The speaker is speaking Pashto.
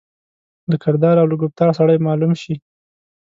له کردار او له ګفتار سړای معلوم شي.